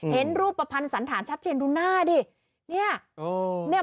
เห็นรูปประพันธ์สันหารชัดเชนดูหน้าดิเนี่ยโอ้เนี่ย